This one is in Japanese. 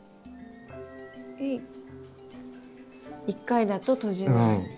１回だと閉じない。